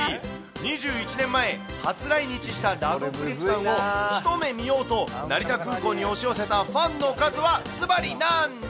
２１年前、初来日したラドクリフさんを一目見ようと、成田空港に押し寄せたファンの数はずばり、何人？